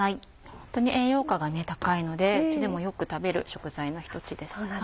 本当に栄養価が高いのでうちでもよく食べる食材の１つです。